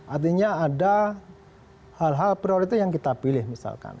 artinya ada hal hal prioritas yang kita pilih misalkan